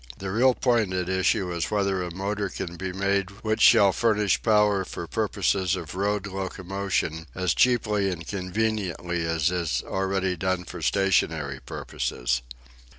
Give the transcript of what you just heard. The real point at issue is whether a motor can be made which shall furnish power for purposes of road locomotion as cheaply and conveniently as is already done for stationary purposes.